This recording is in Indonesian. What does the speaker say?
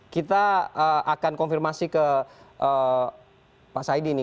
kita akan konfirmasi ke pak saidi nih